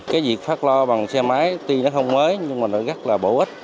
cái việc phát lo bằng xe máy tuy nó không mới nhưng mà nó rất là bổ ích